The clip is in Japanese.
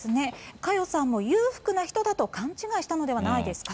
佳代さんも裕福な人だと勘違いしたのではないですかと。